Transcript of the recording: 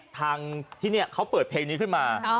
ทางที่นี่เขาเปิดเพลงนี้ขึ้นมา